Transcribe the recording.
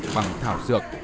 bằng thảo dược